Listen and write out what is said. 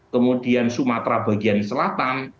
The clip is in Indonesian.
kemudian sumatera bagian selatan